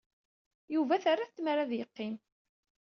Yuba terra-t tmara ad yeqqim.